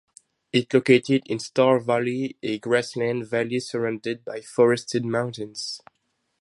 It located in Star Valley, a grassland valley surrounded by forested mountains.